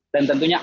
dan tentunya apa